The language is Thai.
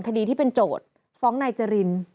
คดีที่เป็นโจทย์ฟ้องนายจริน